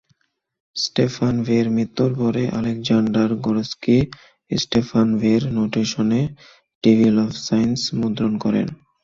স্টেফানভের মৃত্যুর পর Alexander Gorsky স্টেফানভের নোটেশনে "টেবিল অব সাইনস" মুদ্রণ করেন।